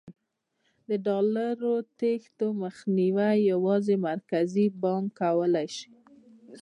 د ډالرو تېښتې مخنیوی یوازې مرکزي بانک کولای شي.